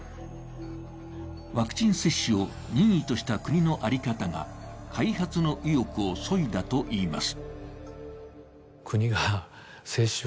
ワクチン接種を任意とした国の在り方が開発の意欲をそいだといいます。